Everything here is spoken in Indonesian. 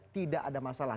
tidak ada masalah